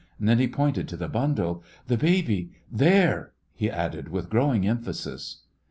Then he pointed to the bundle. "The baby, there," he added, with growing emphasis.